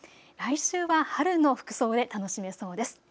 来週は春の服装で楽しめそうです。